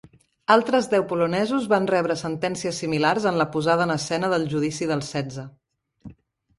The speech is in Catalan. Altres deu polonesos van rebre sentències similars en la posada en escena del Judici dels Setze.